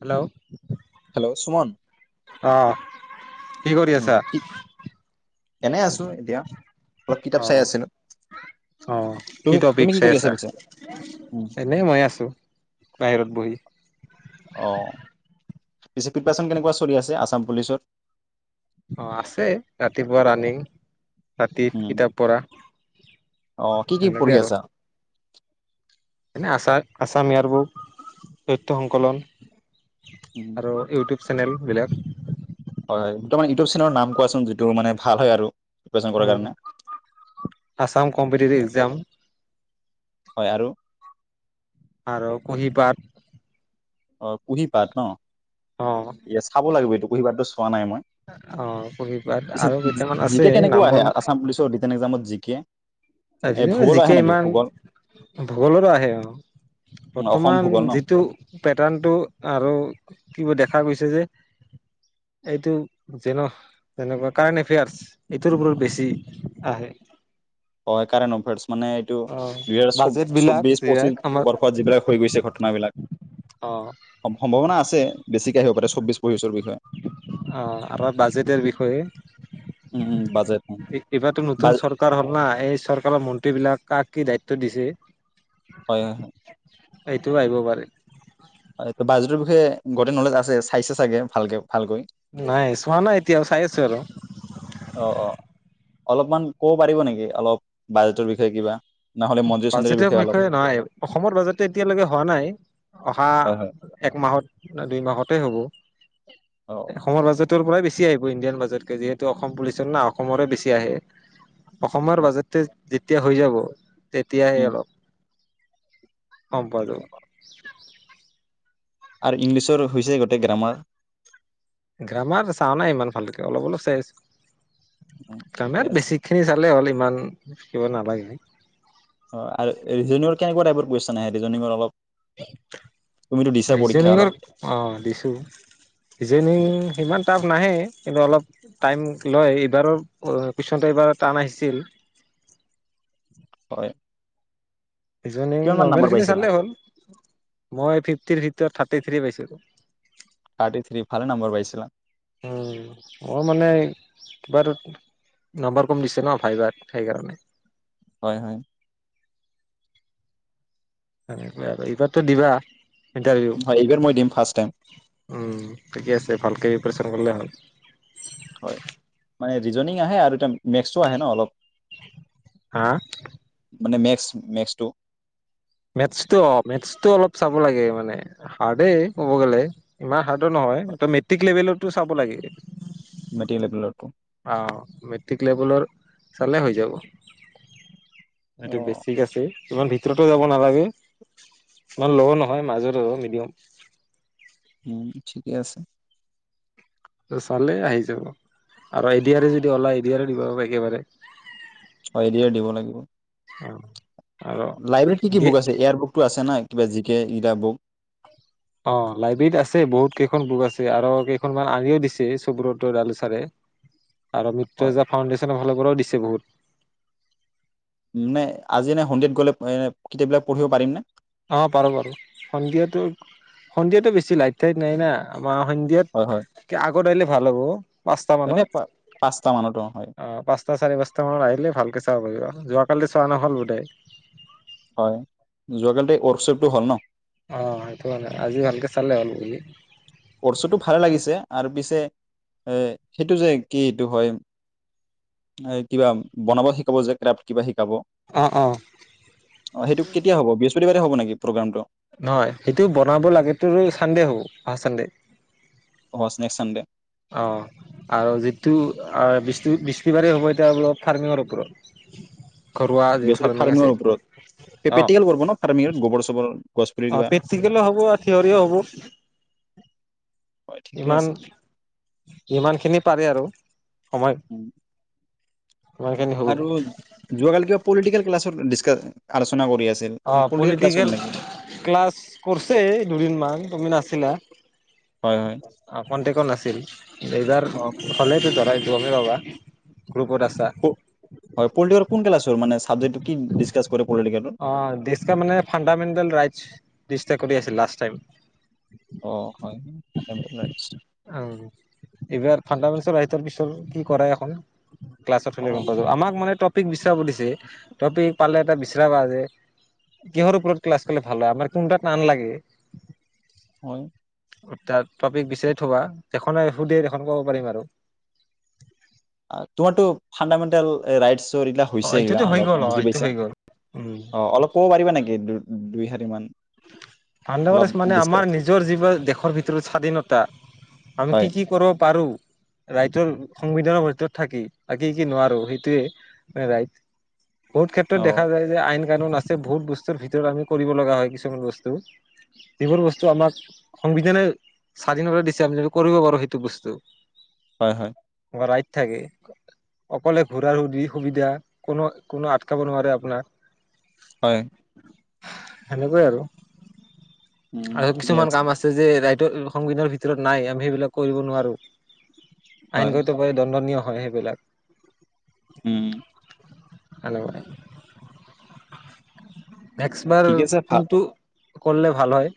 Hello hello Suman আহ কি কৰি উম আছা ঠিক এনে আছো এতিয়া অলপ কিতাপ চাই আহ আছিলো আহ তুমি কি তুমি টপিক কৰি চাই আছা পিছে উম এনে মই আছো বাহিৰত বহি অ পিছে প্ৰিপেছন কেনেকুৱা চলি আছে আচাম পুলিচত অ আছে ৰাতিপুৱা ৰানিং ৰাতি উম কিতাপ পঢ়া। অ কি কি এনেকে পঢ়ি আৰু। আছা এনে আচা, আচাম ইয়েৰ বুক তথ্য সংকলন। উম আৰু ইউটিউব চেনেল বিলাক হয় দুটামান ইউটিউব চেনেলৰ নাম কোৱাচোন যিটোৰ মানে ভাল হয় আৰু প্ৰিপাৰেচন কৰাৰ উম কাৰণে আছাম কম্পিটিটিভ এক্সজাম। হয় আৰু? আৰু কুঁহিপাত। অ কুঁহিপাট ন অ', ইএচ চাব লাগিব এইটো কুঁহিপাত তো পোৱা নাই মই, অ', কুঁহিপাত পিছে আৰু জি কেইটামান জি আছে কে কেনেকুৱা আহে আ আছাম পুলিচৰ ৰিটেন একজামত জি কে এ আজিকালি ভূগোল জি আহে কে নেকি ইমান ভূগোল ভূগোলত আহে অ উম, অসম বৰ্তমান ভূগোল ন যিটো প্ৰেটাৰ্ন টো আৰু কিবা দেখা গৈছে যে এইটো যেন যেনেকুৱা কাৰ্নএফেয়াৰ্চ এইটোৰ ওপৰত বেছি আহে। অ কাৰন অফাৰ্চ। মানে এইটো অ দুহেজাৰ চৌ বাজেট বিলাক চৌব্বিশ, যিবিলাক পঁচিশ আমাৰ বৰ্ষত যিবিলাক হৈ গৈছে ঘটনা বিলাক, অ সম সম্ভাৱনা আছে বেছিকে আহিব পাৰে চৌব্বিশ পঁচিশ ৰ বিষয়ে। অ আৰ বাজেটেৰ বিষয়ে। এ উম উম বাজেট এইবাৰটো বা নতুন চৰকাৰ হ'ল না এই চৰকাৰৰ মন্ত্ৰী বিলাক কাক কি দায়িত্ব দিছে? হয় এইটোও আহিব পাৰে। হয়, বাজেটৰ বিষয়ে গোটেই নলেজ আছে চাইছে চাগে ভালকে ভালকৈ। নাই চোৱা নাই এতিয়াও চাই আছো আৰু অ অ অলপমান কব পাৰিব নেকি অলপ বাজেটৰ বিষয়ে কিবা? নহ'লে মন্দিৰ চন্দিৰৰ বাজেটেৰ অলপ বিষয়ে নহয় অসমৰ বাজেটটো এতিয়ালৈকে হোৱা নাই অহা হয় হয় এক মাহত, দুই মাহতে হব অ এসময়ৰ বাজেটৰ পৰাই বেছি ছি আহিব ইণ্ডিয়ান বাজেতকে যিহেতু অসম পুলিচত না অসমৰে বেছি আহে। অসমৰ হয় বাজেতে যেতিয়া হৈ যাব তেতিয়াহে উম অলপ গমপোৱা যাব। আৰু ইংলিছৰ হৈছে গোটেই গ্ৰামাৰ গ্ৰামাৰ চাও নাই ইমান খালিকে অলপ অলপ চাই আছো। ঠিকে গ্ৰামাৰ আছে বেছিক খিনি চালে হ'ল ইমান কিবা নালাগে। [unintelligible] অ আৰু ৰিজনিং ৰ কেনেকুৱা টাইপৰ কুৱেশ্যন আহে ৰিজনিং ৰ অলপ তুমিতো দিছা পৰীক্ষা অলপ ৰিজনিংৰ, অ দিছো। ৰিজনিং সিমান টাফ নাহে কিন্তু অলপ টাইম লয় এইবাৰৰ কুৱেশ্যনটো এইবাৰ টান আহিছিল হয় বিজনে কিমান মান নৰ্মেল নাম্বাৰ খিনি পাইছিলা চালে হ'ল, মই ফিফটিৰ ভিতৰত থাকো টিথ্ৰী পাইছিলো। থাৰ্টি থ্ৰী ভালে নাম্বাৰ পাইছিলা উম, মই মানে কিবাটোত নম্বৰ কম দিছে ন? ভাইবাৰ সেইকাৰণে। হয়, হয়। [unintelligible] এইবাৰতো দিবা? ইনটাৰভিউ। হয় এইবাৰ মই দিম ফাৰ্ষ্ট টাইম উম, ঠিকে আছে ভালকে‌ [unintelligible] [unintelligible] হ'ল। হয়, মানে ৰিজনিং আহে আৰু এত মেটচো আহে ন অলপ? হা? মানে মেক্স, মেক্সটো মেথছটো অ', মেথছটো অলপ চাব লাগে মানে হাৰ্ডেই ক'ব গ'লে ইমান হাৰ্ডো নহয় ত' মেট্ৰিক লেভেলৰতো চাব লাগে। মেট্ৰিক লেভেলৰটো অহ, মেট্ৰিক লেবেলৰ চালে হৈ যাব। সটো অ বেছিক আছে [unintelligible] [unintelligible] যাব নালাগে, [unintelligible] মাজৰো মিডিয়াম। উম, ঠিকেই আছে। চালে আহি যাব আৰু এ দি য়াৰে যদি ওলাই এ দি য়াৰে দিবা একেবাৰে। অ', এ‌ দি আৰ দিব লাগিব, অ আৰু লাইব্ৰেৰীত কি, কি দিয়ে বুক আছে? এয়াৰ বুকতো আছে না? কিবা জি [unintelligible] অ', লাইব্ৰেৰীত আছে বহুত কেইখন বুক আছে আৰু কেইখনমান আনিও দিছে সুব্ৰত ডালুচাৰে। আৰু হয় মিত্ৰজা ফাউণ্ডেশ্যনৰ ফালৰ পৰাও দিছে বহুত। নে আজি এনে সন্ধিয়াত গ'লে এ কিতাপ বিলাক পঢ়িব পাৰিম নে? অ', পাৰ বাৰু সন্ধিয়াটো, সন্ধিয়াটো বেছি লাইট চাইট নাই না। অ', হয় সন্ধিয়াত হয় কে আগত আহিলে ভাল হ'ব পাঁচটা এনে পা মানত পাঁচটা মানত হয় অ', পাঁচটা, চাৰে পাঁচটা মানত আহিলে ভালকে চাব পাৰিবা যোৱা কালি চোৱা নহ'ল [unintelligible] হয়, যোৱাকালিতে ৱৰ্কশ্বপটো হ'ল ন? অ', সেইটো কাৰণে আজি ভালকে চালে হ'ল বুলি। কৰ্চোটো ভাল লাগিছে আৰু পিছে এ সেইটো যে, কি এইটো হয়, এ কিবা বনাব শিকাব যে, ক্ৰাফ্ট কিবা শিক কাব অ', সেইটো কেতিয়া হ'ব? বৃহ [unintelligible] বাৰে হ'ব নেকি প্ৰগ্ৰামটো? নহয় সেইটো বনাব লাগেটো চানডে হ'ব অ', চানডে। অ', ক্সে চান দে অ', আৰু যিটো আ' [unintelligible] বৃস্তিবাৰেই হ'ব, [unintelligible] ফাৰ্মিঙৰ ওপৰত ঘৰুৱা যি ফাৰ্মিং আছে ফাৰ্মিঙৰ ওপৰত অ পে-পেটিকেল কৰিব ন? ফাৰ্মিঙৰ গোবৰ চোবৰ গছ পুলি অ কিবা প্ৰেক্টিকেলো হ'ব আৰু থিয়ৰও হ'ব হয় ঠিকে ইমান আছে ইমানখিনি পাৰে আৰু সময় উম, ইমান খিনি হ'ব আৰু যোৱা কালি কিবা পল্ডিকেল ক্লাছৰ দি আলোচনা কৰি আছে অ পলিটিকেল ক্লাছ কৰিছে দুদিন মান তুমি নাচি দিনা হয় হয় অ কণ্টেক কো নাছিল এইবাৰ অ প- হ'লেতো ধৰাই গমি বাবা হয় পল্ডিকেল কোন ক্লাছৰ মানে চাবজেকটো কি দিস্কাছ অ দিস্কাছ ক মানে ফাণ্ডামেণ্টেল ৰাইট কৰি আছিল লাষ্ট টাইম অ হয় ফাণ্ডামেণ্টেল ৰাইটছ উ এইবাৰ ফাডামেচেলৰ পিছত কি কৰা এখন ক্লাছ অ হ'লে গম পাব আমাক মানে তপ টপিক বিচৰা বুলিছে টপিক পালে এটা বি যে কিহৰ ওপৰত ক্লাছ কৰিলে ভাল হয় আমাৰ কোনো তান লাগে হয় তাৰ টপিক বিচাৰি থব দেখনে সুধে দেখ কব পাৰিম আৰু তোমাৰতটো ফাণ্ডামেণ্টেল ৰাইটছ এইগিলা অ হৈছে এইগিলা এইটোতো হৈ অলপ গ'ল অ বুজি সেইটো পাইছে হৈ গ'ল উম অ অলপ ক'ব পাৰিবা নেকি দুইহাৰীমান অন্ধ্ৰপদেশ মানে আমাৰ নিজৰ যিবিলাক দেশৰ ভিতৰত স্বাধীনতা আমি হয় কি কি কৰিব পাৰো ৰাইটৰ সংবিধানৰ ভিতৰত থাকি থাকি কি নোৱাৰো সেইটোৱে ৰাইট বহুত ক্ষেত্ৰত অ দেখা যায় যে আইন কাৰণ নাছে বহুত বস্তুৰ ভিতৰত আমি কৰিব লগা হয় কিছু বস্তু যিবোৰ বস্তু আমাক সংবিধানে স্বাধীনভাৱে দিছে আমি যদি কৰিব পাৰো সেইটো বস্তু হয় হয় ৰাই থাকে অকলে ঘূৰাৰো সু সুবিধা কোনো কোনো আটকাব নোৱাৰে আপোনাক হয় সেনেকুৱাই আৰু তি উম আৰু ঠিকে কিছুমান কাম আছে যে ৰা সংবিধানৰ ভিতৰত নাই আমি সেইবিলাক কৰিব নোৱাৰোঁ আইন হয় গ়িত প দণ্ডনীয় হয় সেইবিলাক উম আনেে মে মে্সবাৰ ঠিক আছে ভাল কোনটো কৰলে ভাল হয়।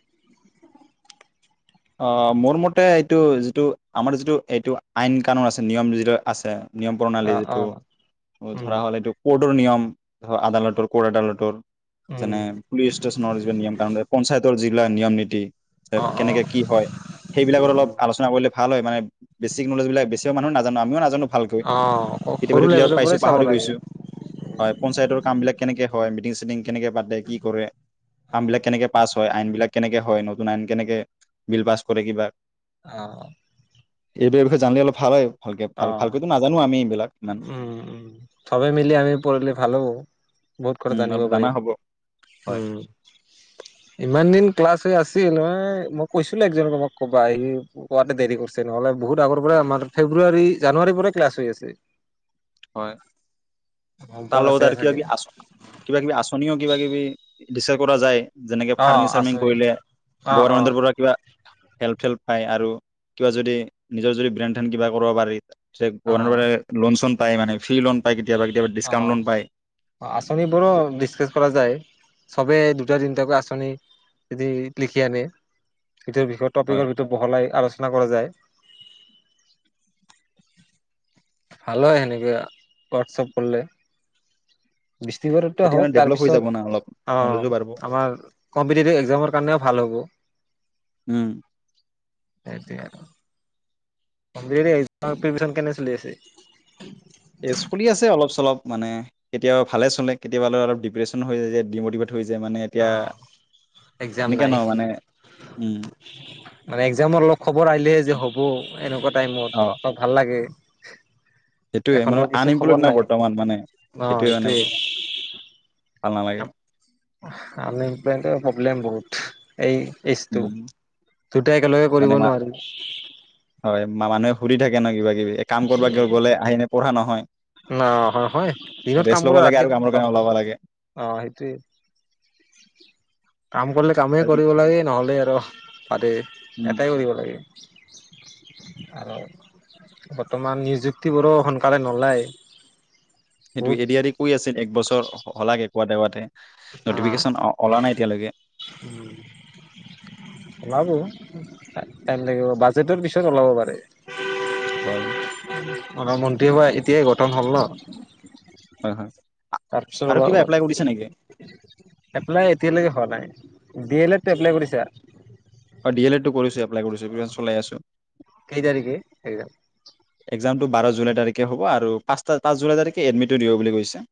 অ মোৰ মতে এইটো যিটো আমাৰ যিটো এইটো আইন কানুন আছে নিয়ম যিটো আছে নিয়ম প্ৰণালী অ', যিটো অ', উম, ধৰা হ'ল এইটো ক'ৰ্টৰ নিয়ম ধ আদালটৰ কদালটৰ উম, যেনে পুলিচ ষ্টেচনৰ যি নিয়ম তামানে পঞ্চায়তৰ যি বিলাক নিয়ম নীতি অ', অ', কেনেকে হয় সেইবিলাকত উম, অলপ উম, আলোচনা কৰিলে ভাল হয় মানে বেছিক নলেজবিলাক বেচিভাগ মানুহে নাজানো আমি নাজানো ভালকৈ অ', সৰু কেতিয়াবা কিতাপত লেভেলৰ পাইছো পৰাই চাব পাহৰি লাগে। গৈছো হয় পঞ্চায়তৰ কাম বিলাক কেনেকে হয় মিটং চিটং কেনেকে পাতে কি কৰে কাম বিলাক কেনেকে পাছ হয় আইন বিলাক কেনেকে হয় নতুন আইন কেনেকে বিল পাছ কৰে কিবা অ এইবোৰৰ বিষয়ে জানিলে অলপ ভাল হয়। ভাল অ', ভালকৈটো নাজানো আমি এইবিলাক। ইমান উম উ চবে মিলি আমি পঢ়লে ভাল হ'ব বহুত কথা উম জানিব অলপ জানা পাৰিম হ'ব হয় উম ইমান দিন ক্লাছ হৈ আচিল হয় মই কৈছিলো একজনক কোমাক ক'বা আহি কোৱাতে দেৰি কৰিছে নহ'লে বহুত আগৰ পৰাই আমাৰ ফেব্ৰুৱাৰী জানুৱাৰীৰ পৰাই ক্লাছ হৈ আছে। হয় গম তাৰ পোৱা লগত নাছিলে আৰু কিবা চাগে কিবি আচ কিবা কিবি আচনিও কিবা কিবি দিস্কাছ কৰা যায়। যেনেকে অ', ফাৰ্মিং চাৰ্মিং আছে কৰিলে অ', অ', গৰমেণ্টৰ পৰা কিবা হেল্প চেল্প পাই আৰু কিবা যদি নিজৰ যদি ব্ৰেন ধেন কিবা কৰিব পাৰি যে গৰ্ভমেন্তৰ অ', পৰা লোন চন পাই মানে ফ্ৰি লোন পাই অ আচনি বোৰো ডিছকাছ কৰা যায় চবে দু [unintelligible] আছনি যদি লিখি আনে। ইটোৰ বিষয়ে হয় টপিকৰ ভিতৰত বহলাই আলোচনা কৰা যায়। [inaudible] ভাল হয় সেনেকে হোৱাটছপ কৰিলে। বৃষ্টিবাৰৰটো তেতিয়া হওক মানে ডেভেলপ হৈ যাব না তাৰপিছত অলপ অ নলেজো বাঢ়িব আমাৰ কম্পিটটিভ একজামৰ কাৰণেও ভাল হ'ব। উম সেইটোয়ে আৰু, কম্পিতেটিভ একজামৰ প্ৰিপাৰেচন কেনেকা চলি আছে? এ চলি আছে অলপ চলপ মানে কেতিয়াবা ভালে চলে কেতিয়াবা অলপ দিপ্ৰেচনো হৈ যায় যে দিমতিভেত অ একজাম এনেকে নাই ন মানে উম মানে এক্জামৰ অলপ খবৰ আহিলেহে যে হ'ব এনেকুৱা টাইমত ভাল লাগে সেইটোোৱে মানে এখনতো কিছু খবৰ আনএমপ্লয়ড নাই বৰ্তমান মানে সেইটোোৱে মানে ভাল নালাগে আমি প্ৰব্লেম বহত এই এইজটো উম দুট একেলগে মানে কৰিব মা নোৱাৰি ফুৰি থাকে ন কিবা কিবি এ, কাম উ কৰবা গ- গ'লে আহি এনে পঢ়া নহয় ন হয় হয় দিনত কাম ৰেষ্ট ল'ব কৰিলে লাগে ৰাতি আৰু কামৰ কৰা কাৰণে নহয় ওলাব লাগে অ সেইটোয়ে কাম কৰিলে কামেই আৰু কৰিব লাগে নহলে কহ বতেে উম এটাই কৰিব লাগে আৰু বৰ্তমান নিযুক্তিবোৰো সোনকালে নলয় সেইটো এৰি এ কৈ আছিল এক বছৰ হলাগে পোৱা দেৱাতে অ নটিফিকেশন ওলা নাই এতিয়ালৈকে ওলাব টাইম লাগিব বাজেটৰ পিছত ওলাব পাৰে হয় মন্ত্ৰীসভা এতিয়াই গঠন হ'ল ন হয় হয় তাৰপিছত আৰু অলপ কিবা এপ্লাই কৰিছে নেকি অলপ এপলাই এতিয়ালৈকে হোৱা নাই বি এল এডটো অ এপ্লাই কৰিছা চ আছ কেই তাৰিখে একদম এক্জামটো বাৰ জুল তাৰিখে হ'ব আৰু পাঁচটা পাঁচ জুলাই তাৰিখে এডমিটটো দিব বুলি কৈছে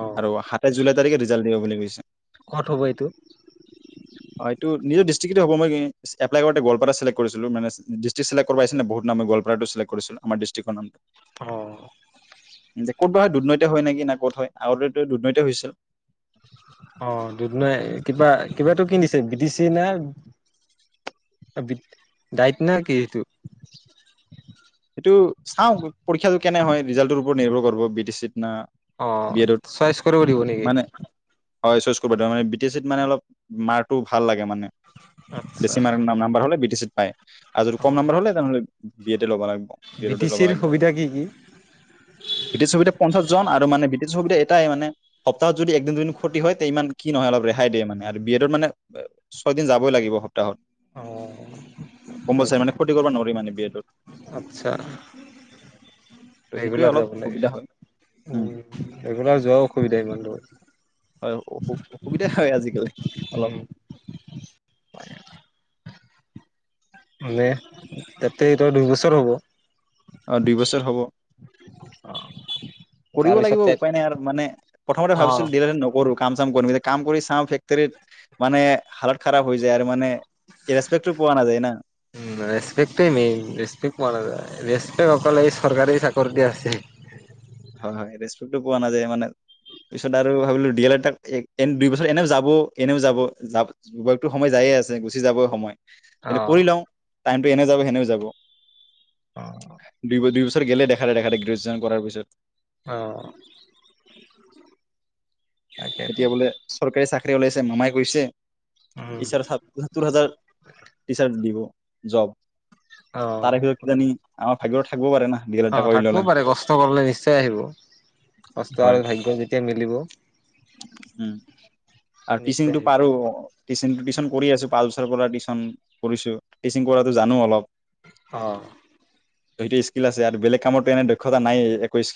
অ আৰু সাত জুলাই তাৰিখে ৰিজাল্ট দিব বুলি কৈছে ক'ত হ'ব এইটো হয় এইটো নিজৰ ডিষ্ট্ৰিকটটো হ'বই এপল কৰতে গালপাৰা চেক্ কৰিছিলো মানে ডিষ্টিক চে্ট কৰ পি ননে বহুত ন ম গোৱপাৰাতটো চেক্ট কৰিছিলো আমাৰ ডিষ্টিক্ৰ নামটো ত ক'ত ব হয় দুৰ্নৈতি হয় নেকি না ক'ত হয় আগতেতো দুৰ্নৈতি হৈছিল অ দুদ নাই কিবা কিবাাতটো কিনিছে বিদি চি না ডাইট না কি সেইটো টো চাওঁ পৰীক্ষাটো কেনে হয় ৰিজাল্টটো পৰতৰ্ভৰ কৰিব বি টি চিত না অ বি এডত চইচ কৰিব দিব নেকি মানে হয় চচ কৰিব মানে বি টি চিত মানে অলপ মাৰ্কটো ভাল লাগে মানে আচ্ছা। বেছি মাৰৰ ন নাম্বাৰ হলে ব্ৰটি চি হয় আজদি কম নাম্বাৰ হলে তেনেহ'লে বিয়াতে ল'ব বি টি চিৰ লাগিব [unintelligible] সুবিধা কি কি? ব্ৰিটিছ সুবিধা পঞ্চাশ জন আৰু মানে ব্ৰিটিছ সুবিধা এটাই মানে তাত যদি একদিন দুইদিন ক্ষতি হয় তে ইমান কি নহয় অলপ ৰেহাই দিয়ে মানে আৰু বি এডত মানে ছয় দিন যাবই লাগিব সপ তাহত অ কম বইচাই মানে সেইটোৱে ক্ষতি কৰিব নোৱাৰি মানে বিয়াটোত। আচ্ছা সেইটোৱে ৰেগুলাৰ অলপ যাব অসুবিধা হয় লাগে উম ৰেগুলাৰ যোৱাও অসুবিধা ইমান দুৰ। হয় অসুবিধাই হয় আজিকালি। অলপ উম। মানে তাতে এইটো দুই বছৰ হ'ব। অ দুই বছৰ হ'ব কৰিব লাগিব তাৰপিছত উপায় নাই আৰু মানে প্ৰথমতে অ ভাবিছিলো [unintelligible] নকৰো কাম চাম কৰিম এতিয়া কাম কৰি চাওঁ ফেক্টৰীত মানে হালত খাৰাপ হৈ যায় আৰু মানে ৰেচপেক্টো পোৱা নাযায় না। উম ৰেচপেক্টটোৱে এই সকল এই চৰকাৰী [unintelligible] আছেই হয় হয় ৰেস্পেক্টো পোৱা নাযায় মানে পিছত আৰু ভাবিলো দিল এটাত এন দুই বছৰ এনেও যাব এনেও যাব য যতো সময় যায়ে আছে গুচি যাবই সময়। অ এনে কৰিলওঁ। টাইমটো এনেও যাব সেনেও যাব। অ দুইব দিউচ্। [unintelligible] গ্ৰেজুচন কৰাৰ পিছত। অহ। এতিয়া বোলে চৰকাৰী চাক ওলাইছে মামাই কৈছে। টি উম। চাৰট সত্তৰ হাজাৰ টিচাৰক দিব। জব। তাৰে ভিতৰত কিজানি আমাৰ ভাগ্য অহ থাকবও পাৰে কষ্ট কৰিলে নিশ্চয় আহিব কষ্ট হয় আৰু ভাগ্য যে মিলিব। উম আৰু টিচিং নিশ্চয় টো পাৰো আহিব টিচিং টো টিউচন কৰি আছো পা টিচন কৰিছো টিচিং কৰাটো জানো অলপ। অহ। সেইটো ইস্কিল আছে আৰু বেলেগ কামৰতো এনে দক্ষতা নায়ে একো ইস্কিল